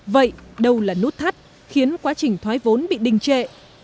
vậy đâu là nút thắt khiến quá trình thoái vốn bị đình trệ